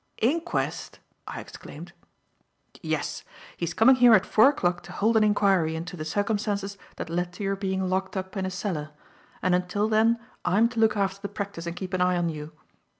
"Inquest?" I exclaimed. "Yes. He's coming here at four o'clock to hold an inquiry into the circumstances that led to your being locked up in a cellar, and until then I'm to look after the practice and keep an eye on you.